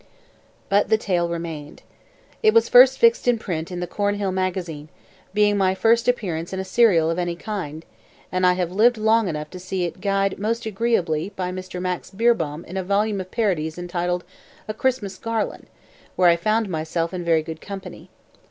But the tale remained. It was first fixed in print in the Cornhill Magazine, being my first appearance in a serial of any kind; and I have lived long enough to see it guyed most agreeably by Mr. Max Beerbohm in a volume of parodies entitled A Christmas Garland, where I found myself in very good company.